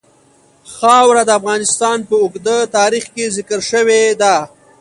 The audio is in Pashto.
خاوره د افغانستان په اوږده تاریخ کې ذکر شوې ده.